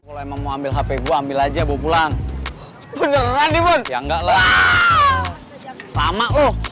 kalau mau ambil hp gua ambil aja bawa pulang beneran ibu yang enggak lama